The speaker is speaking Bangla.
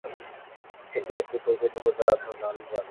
এটি একটি তুর্কি শব্দ যার অর্থ লাল বালু।